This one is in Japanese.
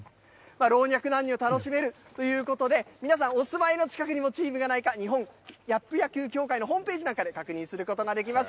老若男女楽しめるということで、皆さんお住まいの近くにもチームがないか、日本キャップ野球協会のホームページなんかで確認することができます。